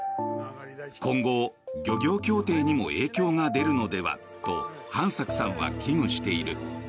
今後、漁業協定にも影響が出るのではと飯作さんは危惧している。